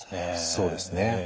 そうですね。